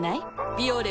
「ビオレ」